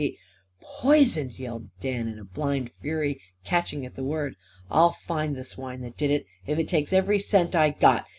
He " "Poisoned!" yelled Dan in blind fury, catching at the word. "I'll find the swine that did it, if it takes every cent I got.